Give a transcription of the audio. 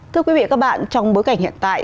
thưa quý vị và các bạn trong bối cảnh hiện tại